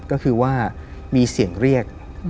ก็คือว่ามีเสียงเรียก